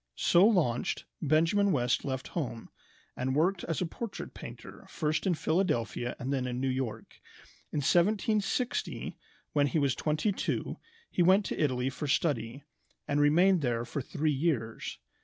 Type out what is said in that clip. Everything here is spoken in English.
So launched, Benjamin West left home, and worked as a portrait painter first in Philadelphia and then in New York. In 1760, when he was twenty two, he went to Italy for study, and remained there for three years.